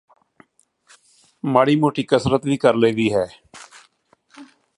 ਤੜਫ਼ਣਾਂ ਤਾਂ ਦੋਹਾਂ ਲਈ ਇੱਕੋ ਹੈ